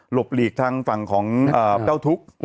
บหลีกทางฝั่งของเจ้าทุกข์